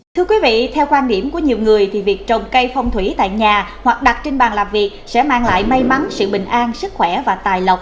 thưa quý vị theo quan điểm của nhiều người thì việc trồng cây phong thủy tại nhà hoặc đặt trên bàn làm việc sẽ mang lại may mắn sự bình an sức khỏe và tài lộc